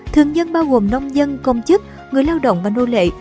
thương nhân bao gồm nông dân công chức người lao động và nô lệ